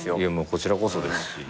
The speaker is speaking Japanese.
こちらこそですし。